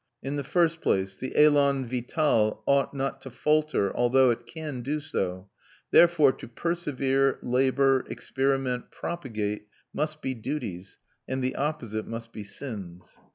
In the first place, the élan vital ought not to falter, although it can do so: therefore to persevere, labour, experiment, propagate, must be duties, and the opposite must be sins.